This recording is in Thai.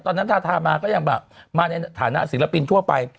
ตอนนั้นทาทามาก็อย่างแบบมาในฐานะศิลปินทั่วไป